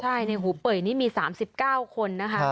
ใช่ในหูเป่ยนี่มี๓๙คนนะคะ